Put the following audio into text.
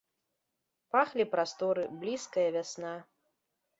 Пахлі прасторы, блізкая вясна.